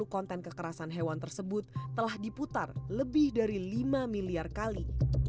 lima empat ratus delapan puluh konten kekerasan hewan tersebut telah diputar lebih dari lima miliar kali